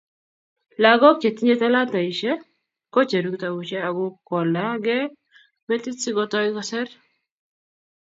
lagok che tinyei talataishe kocheru kitabushe ak kukolagei metit si kotou koser